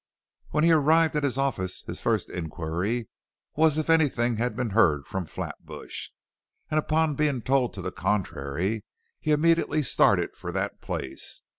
When he arrived at his office his first inquiry was if anything had been heard from Flatbush, and upon being told to the contrary he immediately started for that place.